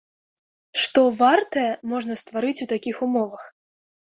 Што вартае можна стварыць у такіх умовах?